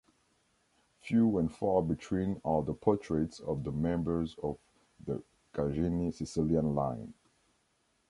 Few and far between are the portraits of the members of the Gagini’s Sicilian line.